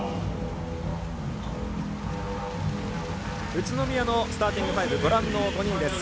宇都宮のスターティング５はご覧の５人です。